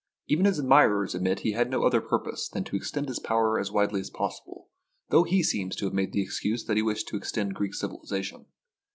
Even his admirers admit he had no other purpose than to extend his power as widely as possible, though he seems to have made the ex cuse that he wished to extend Greek civilisation.